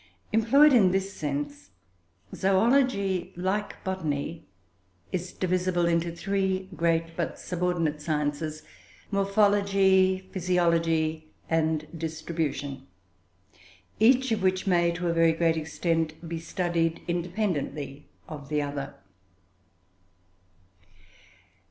Employed in this sense, zoology, like botany, is divisible into three great but subordinate sciences, morphology, physiology, and distribution, each of which may, to a very great extent, be studied independently of the other.